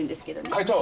会長。